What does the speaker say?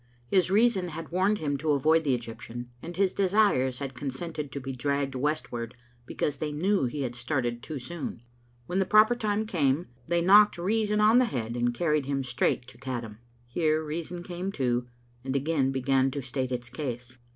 His reason had warned him to avoid the Egyptian, and his desires had consented to be dragged westward because they knew he had started too soon. When the proper time came they knocked reason on the head and carried him straight to Caddam. Here reason came to, and again began to state its case.